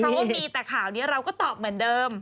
เพราะว่ามีแต่ข่าวนี้เราก็ตอบเหมือนเดิม